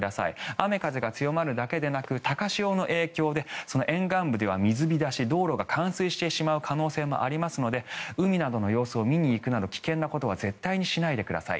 雨風が強まるだけでなく高潮の影響で沿岸部では水浸し道路が冠水してしまう可能性もありますので海などの様子を見に行くなど危険なことは絶対にしないでください。